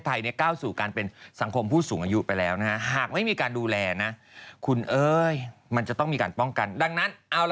อาการกลืนเขาจะลืมว่า